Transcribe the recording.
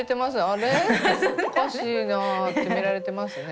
おかしいなって見られてますね。